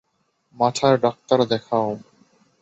মাথার ডাক্তার দেখাও।